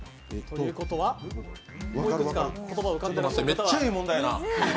めっちゃええ問題やな。